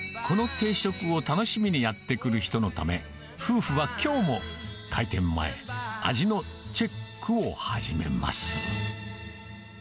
この定食を楽しみにやって来る人のため、夫婦はきょうも開店前、味のチェックを始めます。